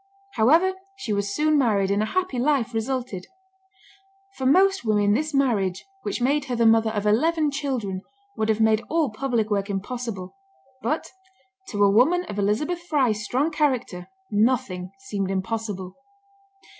However, she was soon married, and a happy life resulted. For most women this marriage, which made her the mother of eleven children, would have made all public work impossible; but to a woman of Elizabeth Fry's strong character nothing seemed impossible.